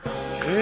え。